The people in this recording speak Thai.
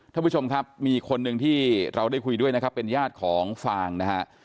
ท่านผู้ชมครับมีคนหนึ่งที่เราได้คุยด้วยนะครับเป็นญาติของฟางนะฮะ